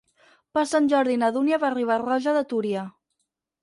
Per Sant Jordi na Dúnia va a Riba-roja de Túria.